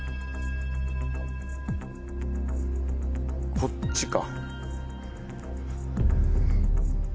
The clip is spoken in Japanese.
こっちか。